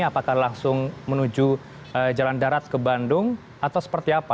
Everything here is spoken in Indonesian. apakah langsung menuju jalan darat ke bandung atau seperti apa